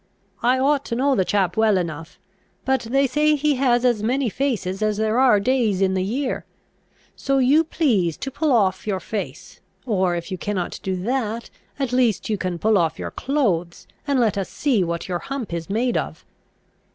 I ought to know the chap well enough; but they say he has as many faces as there are days in the year. So you please to pull off your face; or, if you cannot do that, at least you can pull off your clothes, and let us see what your hump is made of."